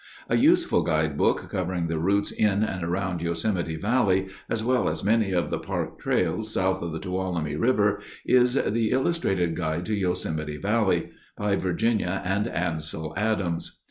A useful guidebook covering the routes in and around Yosemite Valley, as well as many of the park trails south of the Tuolumne River, is the Illustrated Guide to Yosemite Valley, by Virginia and Ansel Adams.